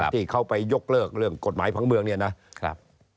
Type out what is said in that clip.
ที่เข้าไปยกเลิกเรื่องกฎหมายพังเมืองนี้นะ